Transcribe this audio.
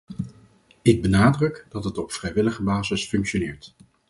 Ik benadruk dat het op vrijwillige basis functioneert.